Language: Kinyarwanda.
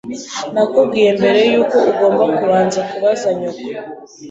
Nakubwiye mbere yuko ugomba kubanza kubaza nyoko.